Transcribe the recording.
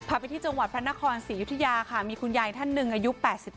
ไปที่จังหวัดพระนครศรียุธยาค่ะมีคุณยายท่านหนึ่งอายุ๘๒